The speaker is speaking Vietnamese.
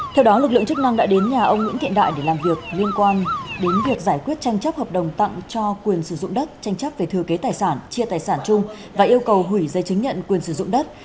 theo đó lực lượng chức năng đã đến nhà ông nguyễn thiện đại để làm việc liên quan đến việc giải quyết tranh chấp hợp đồng tặng cho quyền sử dụng đất tranh chấp về thừa kế tài sản chia tài sản chung và yêu cầu hủy dây chứng nhận quyền sử dụng đất